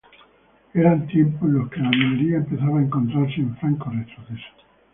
Eran tiempos en los que la minería empezaba a encontrarse en franco retroceso.